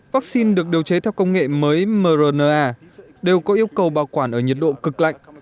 vaccine được điều chế theo công nghệ mới mrna đều có yêu cầu bảo quản ở nhiệt độ cực lạnh